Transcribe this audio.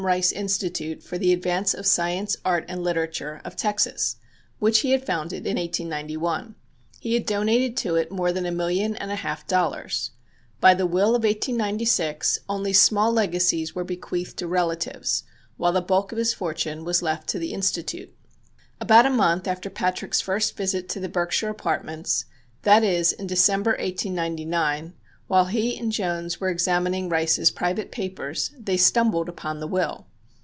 Rice Institute "for the advance of science, art and literature," of Texas, which he had founded in 1891. He had donated to it more than a million and a half dollars. By the will of 1896 only small legacies were bequeathed to relatives, while the bulk of his fortune was left to the Institute. About a month after Patrick's first visit to the Berkshire Apartments, that is, in December, 1899, while he and Jones were examining Rice's private papers, they stumbled upon the will.